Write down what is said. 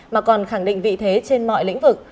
mà còn khẳng định vị thế trên mọi lĩnh vực